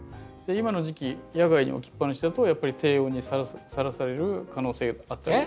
今の時期野外に置きっぱなしだとやっぱり低温にさらされる可能性あって。